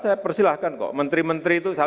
saya udah hibur aja